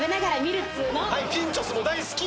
はいピンチョスも大好き。